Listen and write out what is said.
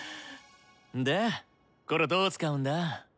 でこれをどう使うんだ？